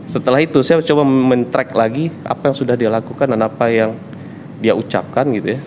setelah itu saya coba men track lagi apa yang sudah dia lakukan dan apa yang dia ucapkan gitu ya